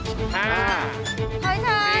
เฮ้ยเธออย่าเข้าไปก่อน